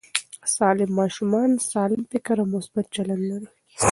سالم ماشومان سالم فکر او مثبت چلند لري.